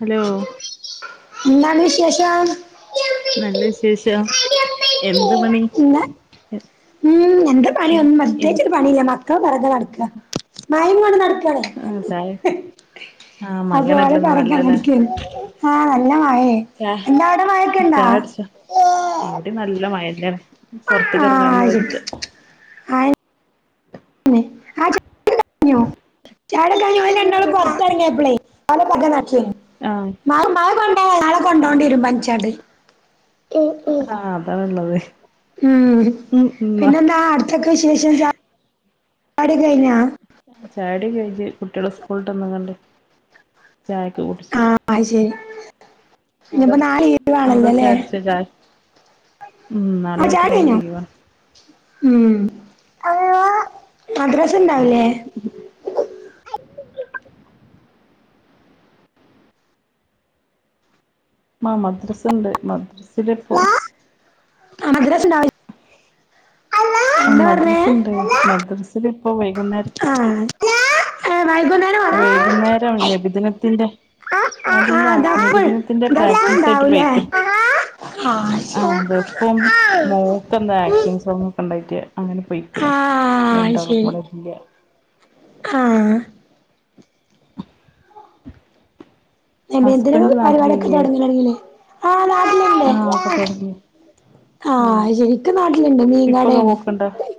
Hello എന്നാ വിശേഷം നല്ല വിശേഷം എന്ത് മണി ഇന്ന് എ എ എ പണില്ല മക്കളെ പൊറകെ നടക്ക മയിം കൊണ്ട് നടക്കാണെയ് ആ രണ്ടും ചായ ആ അത് പോലെ മഴയാണല്ലോന്ന് നല്ലല്ലേ [unintelligible] ആഹ് നല്ല മയേ ചായ എന്താ അവ്ടെ മഴ ഒക്കെണ്ടോ ഇവ്ടിം നല്ല മയെന്നെ ആഹ് [unintelligible] ആ [inaudible] മഴ ക്കെയ്ഞ്ഞു ഓൽ രണ്ടാളും പൊർത്തറങ്ങിയപ്പളെയ് ഓലെ പൊറകെ നടക്കേനു ആഹ് നാളെ മഴ കൊണ്ട നാളെ കൊണ്ടോണ്ടിയേരും പൻചാണ്ട് ഹഹാ അതാ ഉള്ളതെയ് ഉം പിന്നെന്താ അടുത്തൊക്കെ ശേഷം ചാ [inaudible] ടിയൊക്കെയ്ഞ്ഞാ ചായടിയൊ കെയ്ഞ്ഞ് കുട്ടിയേളെ സ്കൂള്ട്ടന്ന് ങ്ങാണ് ചായൊക്കെ കുടിച്ച് [unintelligible] അവ്ടെ ഇനിയിപ്പോ നാളെ അവ്ടെ ലീവാണല്ലോ വെച്ച് അല്ലേ അടിച്ചത ഉം നാളി ആ ചാടി മറ്റന്നാളും കഴിഞ്ഞു ലീവാ ഉം മദ്രസ ഇണ്ടാവൂലേ മാ മദ്രസണ്ട് മദ്രസിലെപ്പോ മദ്രസ് ണ്ടാവല് ഉം പറഞ്ഞേ മദ്രസണ്ട് മദ്രസിൽ ഇപ്പോ വൈകുന്നേര് ആഹ് ആഹ് വൈകുന്നേരം മദ്രസ വൈകുന്നേരം നബിദിനത്തിന്റെ ആ ആ അല്ല ആ ദഫ് നബിദിനത്തിന്റെ ദഫ് പ്രാക്ടീസ് ആയിട്ട് ഉണ്ടാവൂലേ പോയിക്ക്ണ് ആ ആ ശരി. ദഫും ആ ആ മോൾക്ക് എന്താ ഉം. ആക്ഷൻ സോങ്ങും ഒക്കെ ഉണ്ടായിട്ട് അങ്ങനെ ആ പോയിക്ക്ണേ രണ്ടാളും ഇവിടെ ഇല്ല്യ ആഹ് നബിദിനത്തിന്റെ ഹസ്ബൻഡ് പരിപാടിയൊക്കെ നാട്ടിലില്ലേ തുടങ്ങീക്ക്ണ് ആ നാട്ടിൽ ഉണ്ട് ആഹ് അപ്പൊ തുടങ്ങി ഉം ആഹ് ശരി ഇക്ക നാട്ടിലുണ്ട് മീൻ കടയാണ് [unintelligible]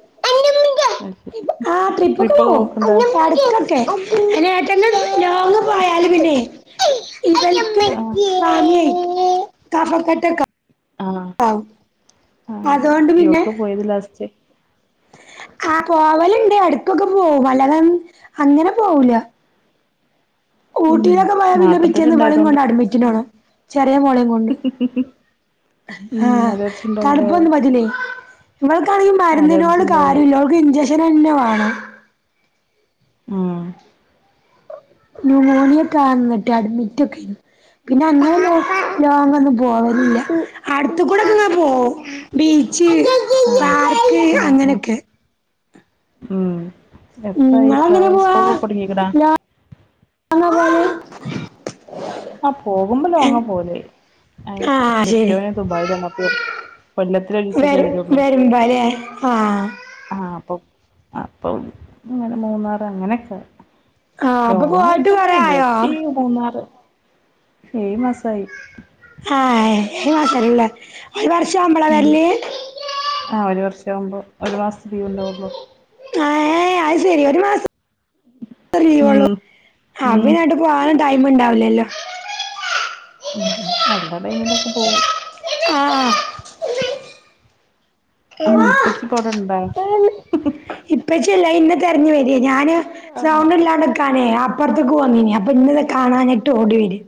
അത് ശരി ആ ട്രിപ്പ് ഒക്കെ ട്രിപ്പൊക്കെ പോവും പോക്ക്ണ്ടോ എടുത്ത് ഒക്കെ ലോങ്ങ്‌ പോയാൽ പിന്നെ ഇവല്ക്ക് ആഹ് പനിയാ കഫക്കെട്ട് ഒക്കെ ആഹ് ആ അതുകൊണ്ട് പിന്നെ എവിടെക്കാ പോയത് ലാസ്റ്റ് ആ പോവലുണ്ട് ഇടക്ക് ഒക്കെ പോവും അല്ലാതെ അങ്ങനെ പോവൂല ഉം ഊട്ടിയിലൊക്കെ പോയാൽ പിന്നെ നാട്ട്ത്തന്നെ പിറ്റേന്ന് ഇവളം ഇണ്ടായതോണ്ട് കൊണ്ട് അഡ്മിറ്റിന് പോവണം ചെറിയ മോളയും കൊണ്ട് ! ! ! ! ! ! ! ! ! ! ആഹ് തണുപ്പൊന്നും പറ്റൂല്ലേ ഇവൾക്കാണെങ്കിൽ അലർജി മരുന്നിനോട് ഉണ്ടാവും കാര്യംല്ല ഒരു ഇൻചക്ഷൻ തന്നെ വാണം ഉം ന്യൂമോണിയക്കായിട്ട് അഡ്മിറ്റ് ഒക്കെ ആയിരുന്നു പിന്നെ അങ്ങനെ ലോങ്ങ്‌ ഒന്നും പോവലില്ല അടുത്ത കൂടെ ഒക്കെ ഇങ്ങനെ പോവും ബീച്ച് ആഹ് പാർക്ക് ആഹ് ആഹ് അങ്ങനെയൊക്കെ ഉം എത്ര ആയി നിങ്ങളെങ്ങനെ പ്രായം സ്കൂൾക്ക് പോക്ക് തുടങ്ങീക്ക്ണ അതെ പോലെ ആഹ പോകുമ്പോ ലോങ്ങ പോവൽ അതിന് ആഹ് ശരി കെട്ടിയോൻ ദുബായിലാണ് അപ്പോ എപ്പോ കൊല്ലത്തിൽ ഒരു ദിവസേ പോയി വരുള്ളു ആഹ ആ അപ്പോ അപ്പോ ഇങ്ങനെ മൂന്നാറ് അങ്ങനെയൊക്കെ ആഹ് അപ്പൊ ലോങ്ങ് പോയിട്ട് വെച്ചാൽ കൊറേ ആയോ ഊട്ടി മൂന്നാറ് ഏഴ് മാസമായി ആഹ ഏഴ് മാസമായി അല്ലേ ഒരു വർഷം ആവുമ്പോള ഉം വരല് ആ ഒരു വർഷം ആവുമ്പോൾ ഒരു മാസത്തെ ലീവ് ഉണ്ടാവുള്ളൂ ആ അത് ശരി ഒരു മാസം ലീവ് ഒള്ളൂ ഉം അപ്പൊ ഉം പിന്നെ എങ്ങട്ടും പോകാനും ടൈം ഉണ്ടാവില്ലല്ലോ മം ഒഴിവ് ഉള്ള ടൈമിലൊക്കെ പോകും ആ ഉം ഇപ്പച്ചിപ്പവടെണ്ടാ ഇപ്പച്ചി അല്ല അത് എന്നെ തിരഞ്ഞു വരേണ് ഞാന് സൗണ്ട് ഇല്ലാണ്ടെ നിക്കാൻ അപ്പുറത്തേക്ക് പോന്നീന് അപ്പൊ എന്നെ കാണാനിട്ട് ഓടി വരാണ് ! ! ! ! ! ! ! ! ! !! ! ! ! ! ! ! ! ! !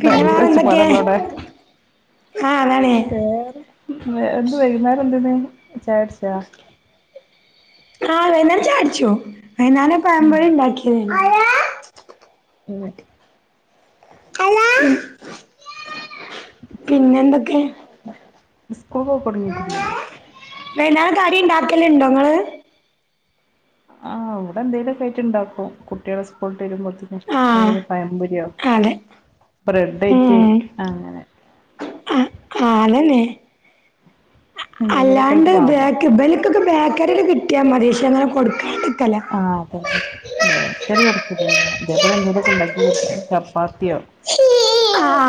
പിന്നെ ഭയങ്കര വേറേ എന്തൊക്കെയാ ഒച്ചപ്പാടാണല്ലോ അവടെ ആഹ് അതാണ് ഇന്ന് വൈകുന്നേരം എന്തെന് ചായ കുടിച്ചോ ആഹ വൈകുന്നേരം ചായ കുടിച്ചു വൈകുന്നേരം പഴം പൊരി ഉണ്ടാക്കീന് ഉം ഹലോ പിന്നെ എന്തൊക്കെ സ്കൂൾക്ക് പോക്ക് തൊടങ്ങിയിട്ടില്ലേ വൈകുന്നേരം കടി ഉണ്ടാക്കൽ ഉണ്ടോ ഇങ്ങള് ആ ഇവിടെ എന്തെങ്കിലും ഒക്കെ ആയിട്ട് ഉണ്ടാക്കും കുട്ടികൾ സ്കൂൾ വിട്ട് വരുമ്പോ ആഹ് ൾത്തിന് പഴം പൊരിയോ അതെ ബ്രെഡ്‌ ഏറ്റ് ഉം അങ്ങനെ ആ അതന്നെ എന്തെങ്കിലൊക്കെ അല്ലാണ്ട് ആയിട്ട് വാങ്ങണം ബേക്ക് ഇവർക്കൊക്കെ ബേക്കറി ഒക്കെ കിട്ടിയാൽ മതി പക്ഷേ അങ്ങനെ കൊടുക്കാണ്ടിരിക്കല ആ അ തെ ബേക്കറി കൊടുക്കലില്ല ഇതേപോലെ എന്തെങ്കലുമൊക്കെ ഉണ്ടാക്കി കൊടുക്കും ചപ്പാത്തിയോ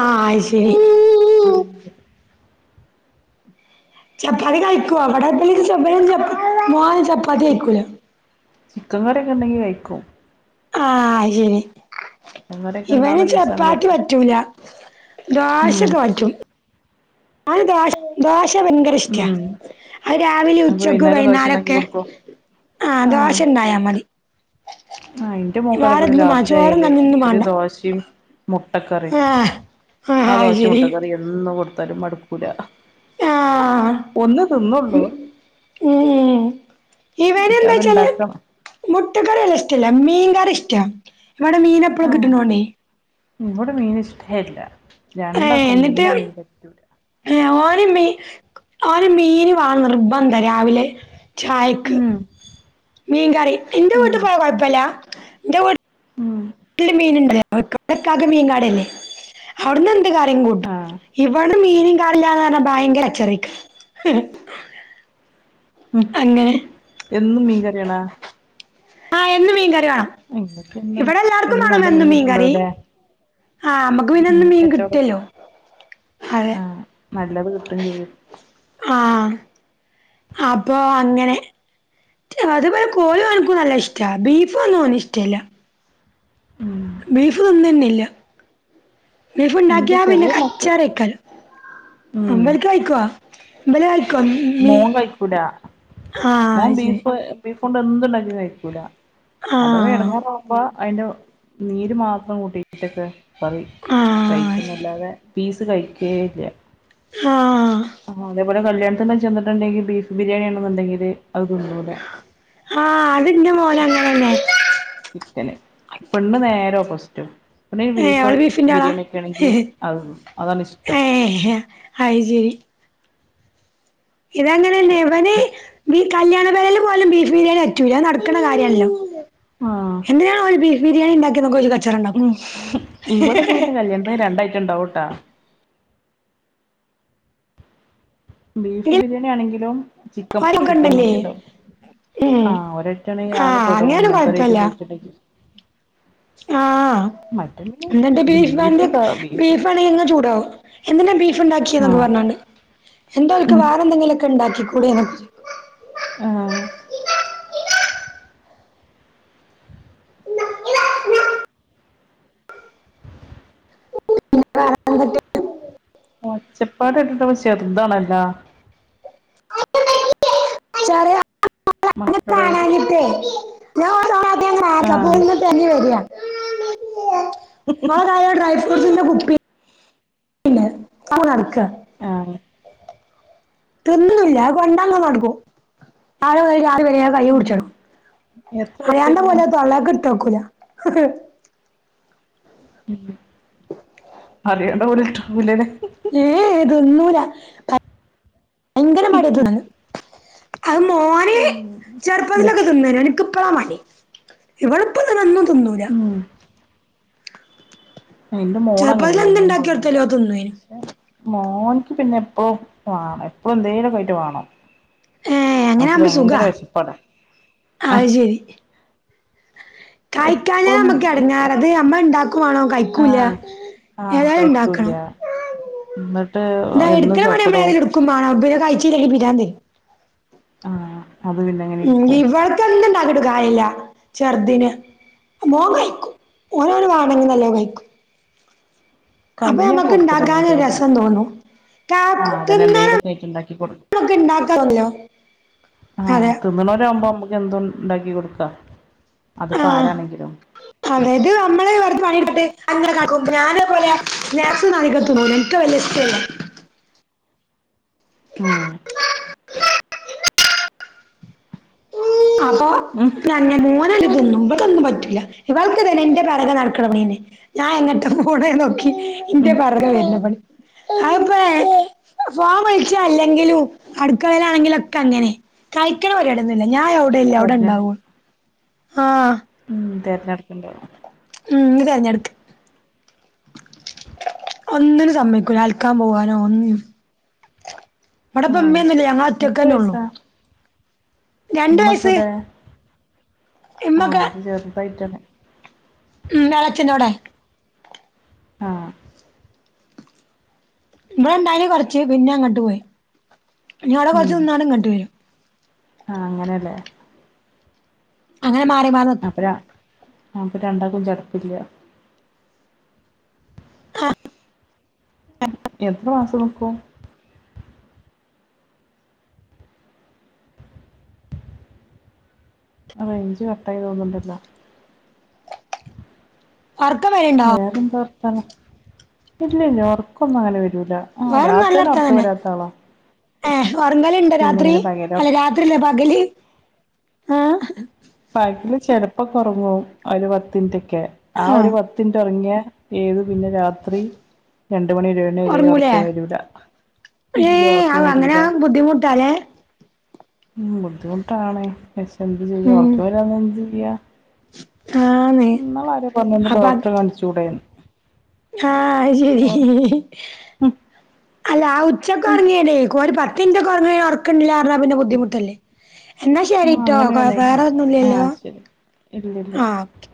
ആ അത് ശരി അങ്ങനെ എന്തേലും ചപ്പാത്തി കഴിക്കുവ വടപ്പള്ളിക്ക് ചപ്പ മോ ചപ്പാത്തി കഴിക്കൂല കാലൊക്കെ ഉണ്ടെങ്കിൽ കഴിക്കും ആഹ് ശരി ചിക്കൻ കറിയൊക്കെ ഇവന് ഇണ്ടാവണ ദിവസാണ് ചപ്പാത്തി ചപ്പാ പറ്റൂല ഉം ദോശഒക്കെ പറ്റും അവന് ദോശ ദോശ വെന്ത് ഇഷ്ട ഉം അ രാവിലെ അപ്പൊ ഉച്ചക്ക് വൈന്നേരം ദോശ ഇണ്ടാക്കി വൈകുന്നേരൊക്കെ കൊടുക്കോ ആഹ് ദോശ ഉണ്ടായാൽ മതി ആഹ് ഇന്റെ മോക്കാ അതേപോലെ വേറെന്നും വാ ചോറും രാത്രിയായാല് കഞ്ഞിയൊന്നും ഒരു വാണ്ട ദോശയും മുട്ടക്കറിയും ആഹ് ആഹ് ആ അത് ദോശയും ശെരി മുട്ടക്കറിയും എന്ന് കൊടുത്താലും മടുക്കൂല ആഹ് ഒന്ന് തിന്നൊള്ളൂ ഉം ഉം ഏഹ് ഇവന് പക്ഷെ എന്താ വെച്ചാൽ അത്ണ്ടാക്കണം മുട്ടക്കറിയല്ല ഇഷ്ടല്ല മീൻകറി ഇഷ്ട ഇവിടെ മീന് എപ്പഴും ആഹ് കിട്ടണോണ്ടേ ഇവിടെ മീൻ ഇഷ്ടല്ല ഏഹ് എന്നിട്ട് ഏഹ് ഓന് മീ ഓന് മീന് വാണം നിർബന്ധ രാവിലെ ചായക്ക് ഉം മീൻകറി എന്റെ വീട്ട് ഉം പോവാ കൊഴപ്പില്ല എന്റെ വീ- ഉം രണ്ട് മീൻ ഉണ്ടായ [unintelligible] മീൻ കാടല്ലേ അവിടുന്ന് എന്ത് കാര്യം കൂട്ടും ആഹ് ഇവിടെ മീനും കാടി [unintelligible] ല്ലാന്ന് പറഞ്ഞാ ഭയങ്കര കച്ചറക്ക ഉം എന്നും മീൻ കറിയാണോ ആഹ് എന്നും മീൻകറി വേണം ഇങ്ങക്ക് എന്നും ഇവിടെ എല്ലാർക്കും വേണം നല്ല മീൻ എന്നും മീൻകറി കിട്ട്ണ്ടാവുലേ ആഹ് നമ്മക്ക് പിന്നെ എന്നും മീൻ കിട്ടുവല്ലോ അതെ- ആഹ് നല്ലത് കിട്ടും ചെയ്യും ആഹ് അപ്പൊ അങ്ങനെ അതുപോലെ കോഴി ഓന്ക്ക് നല്ല ഇഷ്ട ബീഫും ഒന്നും ഓന് ഇഷ്ട്ടമല്ല ഉം ബീഫ് തിന്നന്നില്ല ഇന്റെ ബീഫുണ്ടാക്കിയാ പിന്നെ ചെറിയ കച്ച മോക്ക് [unintelligible] റിക്കല ഉം അമ്പലക്ക് [unintelligible] കഴിക്കോ ഇബല് കഴിക്കോ മീന് മോൻ കഴിക്കൂല മോൻ ആഹ് ശരി ബീഫ് ബീഫോണ്ട് എന്ത് ഉണ്ടാക്കിയാലും കഴിക്കൂല അഥവാ ആഹ് എടങ്ങേറ് ആവുമ്പോ അതിന്റെ- നീര് മാത്രം കൂട്ടിട്ടൊക്കെ കറി ആഹ് കഴിക്കുന്നല്ലാതെ പീസ് കഴിക്കേയില്ല ആഹ് ആഹ് അതേപോല കല്യാണത്തിന് ചെന്നിട്ടുണ്ടെങ്കിൽ ബീഫ് ബിരിയാണിയാണ് എന്നുണ്ടെങ്കില്- അത് തിന്നും ആഹ് അത് എന്റെ മോന് അങ്ങനെ തന്നെ ചിക്കന് പെണ്ണ് നേരെ ഓപ്പോസിറ്റും പെണ്ണിന് ഏഹ് ബീഫ് ഓള് ബീഫിന്റെ ആളാ ബിരിയാണി ഒക്കെ ആണെങ്കിൽ അത് തിന്നും അതാണ് ഇഷ്ടം ഏഹ് ഹേ അയ് ശരി ഇത് അങ്ങനെന്നെ ഇവന് ബീ- കല്യാണ പേരെല് പോയാലും ബീഫ് ബിരിയാണി പറ്റൂല അത് നടക്കുന്ന കാര്യായാണല്ലോ ആഹ് എന്തിനാണ് അവൻ ബീഫ് ബിരിയാണി ഉണ്ടാക്കുന്ന ഓല് ക- ഉം ഇവിടെക്കെ പോയിട്ട് കല്യാണത്തി രണ്ട് ഐറ്റം ഉണ്ടാവും ട്ടോ ബീഫ് ബിരിയാണി ആണെങ്കിലും ചിക്കൻ ചിക്കൻ ണ്ടല്ലേ മന്തി ഉണ്ടാവും ഉം ആഹ് ഒര് ഐറ്റം ആണെങ്കി ആഹ് ആകെപ്പെടും അങ്ങനൊന്നും ഇങ്ങനത്തെ ഒരു കൊഴപ്പല്ല. [unintelligible] പോയിച്ചിണ്ടങ്കി ആഹ് പിന്നെ എന്നിട്ട് ബീഫ് മന്തി ക ബീഫ് ബീഫാണെ അങ്ങ് ചൂടാവും എന്തിനാ ബീഫ് ഉണ്ടാക്കിയേന്നൊക്കെ ആഹ് പറഞ്ഞോണ്ട് എന്താ അവർക്ക് ഉം വേറെ എന്തെങ്കിലുമൊക്കെ ഉണ്ടാക്കിക്കൂടെന്നെക്കെ ചോ ആഹ് [unintelligible] ഒച്ചപ്പാട് കേട്ടിട്ട് അവൾ ചെറുതാണല്ലോ. ചെറിയ മക്കളെ അതേ, ഞാൻ ഒ [unintelligible] രാദ്യ ആഹ് മേക്കപ്പൊന്ന് തെരെഞ്ഞ് തെരി [unintelligible] കാ. മോക്കാ [unintelligible] യ ഡ്രൈ ഫ്രൂട്ട്സിന്റെ കുപ്പിയൊണ്ട്. അത് കൊണ്ട് നടക്ക. ആഹ് തിന്നല്ല അത് കൊണ്ടെങ്ങ് നടുക്കും ആളെ പേടിച്ച് ആള് വെരെയാ കൈ കുടിച്ചുളും എത്ര അറിയാണ്ട വയസായിക്കണ് പോലെ തൊള്ളേക്ക് ഇട്ട് വെക്കൂല. ഉം വേണ്ടാ പോലും ട്‌ട്ടയാകു [unintelligible] ലല്ലേ. ഏയ് തിന്നൂല ഭയങ്കര മടക്കണ്. അത് മോന് ഉം മു ചെറുപ്പത്തിലൊക്കെ തിന്നനേ അവന് - ഇവക്ക് ഇപ്പളാ മടി ഇവള് ഇപ്പൊ ഇതൊന്നും ഒന്നും തിന്നൂല്ല ഉം എന്റെ മോള് ചെറുപ്പത്തിൽ അങ്ങനെയാണ് ഒന്നും എന്തുണ്ടാക്കി തിന്നുല്ല. കൊടുത്താലും അത് തിന്നുവേനു പക്ഷെ മോനിക്ക് പിന്നെ എപ്പോഴും വേണം എപ്പോഴും എന്തേലും ഐറ്റം വേണം. ഏ അങ്ങനെ അവെക്ക് ആകുമ്പോ ഭയങ്കര സുഖാ വിശപ്പട്. ആഹ് കായ്ക്കാഞ്ഞ നമ്മെക്ക് എടാങ്ങേറ എപ്പളും ഞാനത് അമ്മ ഉണ്ടാക്കു വാണോ? കഴ്ക്കൂല. ആഹ് ആഹ് ഏതേൽ കഴിക്കൂല്ല ഉണ്ടാക്കണം. എന്നിട്ട് എന്ന എന്നും എടക്കണ പണി സോക്കടവും അമ്മയായാലും എടുക്കു മാണ്. അന്നേരം കഴിച്ചില്ലെങ്കി പ്രാര്ന്ത് വെരും. ആഹ് അത് പിന്നെ അങ്ങനെ ഇരിക്കും ഇവക്കെന്ത് ണ്ടാക്കിട്ടൊന്നും കാര്യവില്ല. ചെറുതിന്. മോൻ കയ്ക്കും. മോൻ അവെന് വേണെങ്കി നല്ലോ കഴ്ക്കും. കഞ്ഞിയൊക്കെ കൊടുക്കല ഞന്റെ ഇണ്ടാക്കാനൊരു പ്പെണിന്. രസം തോന്നും കാക്കു ആഹ് തിന്നാന് അതിനെന്തെങ്കിലൊക്കെ വെച്ചുണ്ടാക്കി കൊടുക്കും. നമുക്ക് ഇണ്ടാക്കാൻ തോന്നല്ലോ ആഹ്, അതെ തിന്നുണോരാമ്പം നമ്മെക്ക് എന്ത് ഉണ്ടാക്കി കൊടുക്കാ, അതിപ്പോ ആഹ് ആരാണെങ്കിലും. അതായത് നമ്മളെ കൊറെച്ച് പണിയെടുത്തിട്ട് അങ്ങനെ കാക്കും. ഞാനേ പോലെ നേർച്ച നൽക്കത്ത് പോലും. ന്ക്ക് വല്യ ഇഷ്ട്ടല്ല ഉം [unintelligible] അപ്പൊ ഉം മോനരു തിന്നും. ഇവൾക്കതൊന്നും പറ്റില്ല. ഇവൾക്ക് തന്നെ എന്റെ പെറകെ നടക്കണ പണിയനെ. ഞാൻ എങ്ങാട്ടാ പോണേം നോക്കി, ഇന്റെ ഉം പൊറകെ വെരുന്ന പണി. ഞാനിപ്പയേ ഫോൻ വിളിച്ച അല്ലെങ്കിലും അടുക്കളേലാണെങ്കിലെക്കെ അങ്ങനെ. കഴിക്കണ പരിപാടിയൊന്നുല്ല ഞാൻ എവിടെയില്ലേ. അവെടെ തെരഞ്ഞെ ഉണ്ടാവോള്. ആഹ് ഉം തെരെഞ്ഞെടുക്കണ്ടേ ഉം ഇന്ന് തെരെഞ്ഞെടുക്ക് ഒന്നിനും സമ്മയിക്കൂലാ. അലക്കാൻ പോവാനോ ഒന്നിനും. ഏഹ് അവിടെപ്പമ്മയൊന്നില്ല. ഞങ്ങെള എത്ര വയസ്സാ രണ്ട് വയസ്സ് നമ്മെക്കിടെ? ആഹ് ഇമ്മൊക്കെ അത് ചെറുതായിട്ടനെ. ഉം എളച്ചന്റോടേ. ആഹ് ഇവടെ ഉണ്ടായ്നി കൊറെച്ച്. പിന്നെ അങ്ങട്ട് പോയി. ഇനി അവെടെ ഉം കൊറെച്ച് നിന്നാലും ഇങ്ങട്ട് വെരും. ആഹ് അങ്ങനെലേ അങ്ങനെ മാറി മാറി നിക്കും അപ്പരാ അപ്പ രണ്ടാക്കും ചട്പ്പില്ല ആ എത്ര മാസം നിക്കും റേഞ്ച് കട്ടായി തോന്ന്ണ്ടല്ലോ ഒറക്കം വര്ണ്ടോ വേറെന്താ വർത്താനം ഇല്ല ഇല്ല ഒർക്കൊന്നും അങ്ങനെ വരൂല ആ വേറെ ന്താ നല്ല രാത്രിയിൽ വർത്താനം ഉറക്കം തന്നെ വരാത്ത ആളാ ഏഹ് ഓർങ്ങലിണ്ടോ പിന്നെ രാത്രീ ഇങ്ങനെ പകല് അല്ല ഉറക്കം രാത് ല്ലേ പകല് ആഹ് പാക്ക്ല് ചെലപ്പ കൊറങ്ങും ഒരു പത്തിൻറ്റൊക്കെ ആഹ് ഒരു വ ത്തിൻ്ററ്റ് റൊങ്ങിയാ ഏത് പിന്നെ രാത്രി രണ്ട് മണിരെ രെ ഒറക്കം വരൂല ഇല്ല ഏയ് ഉറക്കം ആഹ് അങ്ങനെ വരൂല ആവം ബുദ്ധിമുട്ടാലെ ഉം ബുദ്ധിമുട്ടാണ് പക്ഷെ എന്ത് ചെയ്യാ ഉം ഒറക്ക് വരാണെ എന്ത് ചെയ്യാ ആന്ന് ഉം ന്നാള് ആരോ പർഞ്ഞീന്ന് അപ്പൊ ഡോക്ടറെ കാൺച്ചൂടെന്ന് ആഹ് അയ്ശരി ഉം അല്ലാ ആ ഉച്ചക്കെ എനിക്ക് ഒർങ്ങിന്നേയ്ക്കും ഒരു പത്ത് പ്പിന്റെ കുറെ ഓർക്ക് ർണാ പിന്നെ ബുദ്ധിമുട്ടല്ലേ എന്നാ ശരി ആഹ് ട്ടോ കൊഴ അങ്ങനെയാണേ വേറെ ഒന്നുംല്ലല്ലോ ആഹ് ശരി ഇല്ലില്ല ആഹ് ഓകെ